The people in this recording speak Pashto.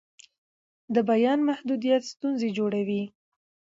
د بیان محدودیت ستونزې جوړوي